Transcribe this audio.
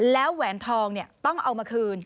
แล้วแหวนทองต้องเอามาคืน